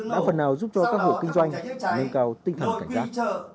đã phần nào giúp cho các hộ kinh doanh nâng cao tinh thần cảnh giác